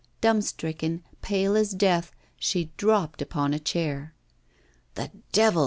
Dumb stricken, pale as death, she dropped upon a chair. 'The devil!